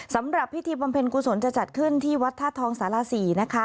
สำหรับพิธีบำเพ็ญกุศลจะจัดขึ้นที่วัดธาตุทองสาร๔นะคะ